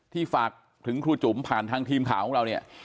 ฝากถึงครูจุ๋มผ่านทางทีมข่าวของเราเนี่ย